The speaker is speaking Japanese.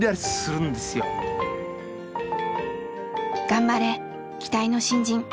頑張れ期待の新人！